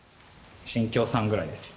信喬さんぐらいですよ。